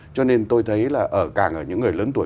cho nên tôi thấy là ở càng ở những người lớn tuổi